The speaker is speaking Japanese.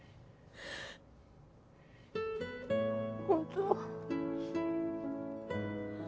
本当？